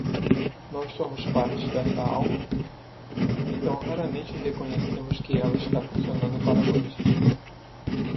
Nós somos parte dessa alma?, então raramente reconhecemos que ela está funcionando para nós.